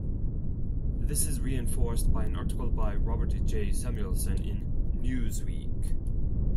This is reinforced by an article by Robert J. Samuelson in "Newsweek".